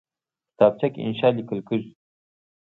کتابچه کې انشاء لیکل کېږي